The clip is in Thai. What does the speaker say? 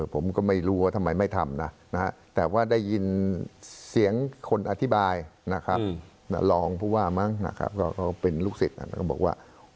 ผมก็ไม่รู้ทำไมไม่ทำและได้ยินเสียงคนอธิบายคือเป็นลูกศิษย์บอกว่า